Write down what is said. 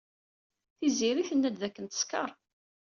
Tiziri tenna-d dakken teskeṛ.